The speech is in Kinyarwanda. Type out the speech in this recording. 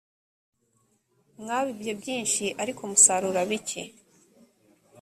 mwabibye byinshi ariko musarura bike